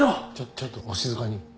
ちょっとお静かに。